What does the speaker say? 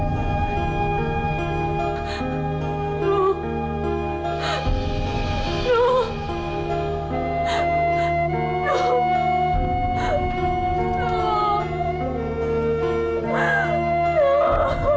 semua sudah berakhir pak